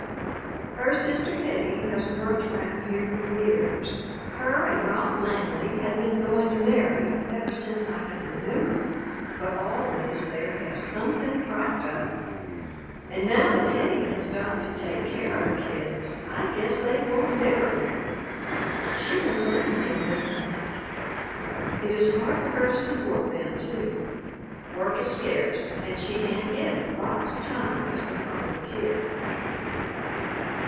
"Her sister Hettie has worked around here for years; her and Rob Langley have been going to marry ever since I can remember, but always there has something cropped up. And now that Hettie has got to take care of the kids I guess they won't never marry; she won't burden him with them. It is hard for her to support them, too. Work is scarce, and she can't get it, lots of times, because of the kids."